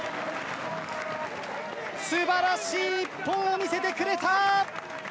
すばらしい一本を見せてくれた。